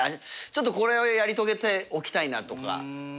ちょっとこれはやり遂げておきたいなとか。